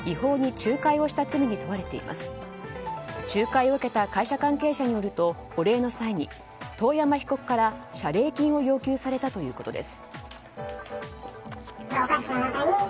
仲介を受けた会社関係者によるとお礼の際に遠山被告から謝礼金を要求されたということです。